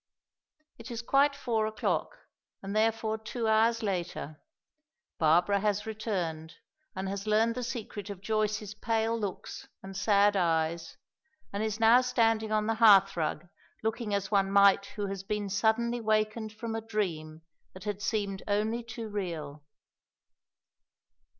It is quite four o'clock, and therefore two hours later. Barbara has returned, and has learned the secret of Joyce's pale looks and sad eyes, and is now standing on the hearthrug looking as one might who has been suddenly wakened from a dream that had seemed only too real.